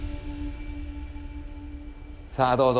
さあどうぞ。